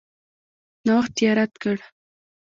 نوښت یې رد کړ.